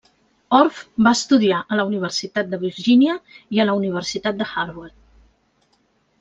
Orff va estudiar a la Universitat de Virgínia i a la Universitat Harvard.